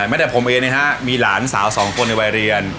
ไม่ได้ผมเองนะฮะมีหลานสาวสองคนในวัยเรียน